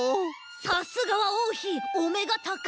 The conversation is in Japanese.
さすがはおうひおめがたかい！